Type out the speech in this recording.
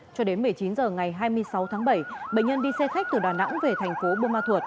cho đến một mươi chín h ngày hai mươi sáu tháng bảy bệnh nhân đi xe khách từ đà nẵng về thành phố buôn ma thuột